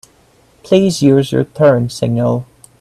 Please use your turn signal.